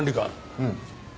うん？